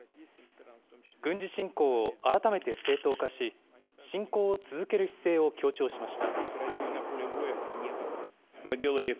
軍事侵攻を改めて正当化し、侵攻を続ける姿勢を強調しました。